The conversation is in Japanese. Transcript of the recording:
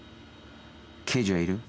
刑事はいる？